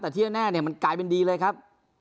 แต่ที่แน่มันกลายเป็นดีเลยครับ